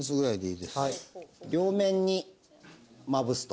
両面にまぶすと。